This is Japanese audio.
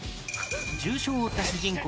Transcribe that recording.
重傷を負った主人公